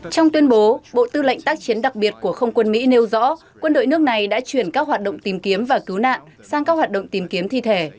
trong tuyên bố bộ tư lệnh tác chiến đặc biệt của không quân mỹ nêu rõ quân đội nước này đã chuyển các hoạt động tìm kiếm và cứu nạn sang các hoạt động tìm kiếm thi thể